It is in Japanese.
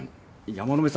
山野辺さん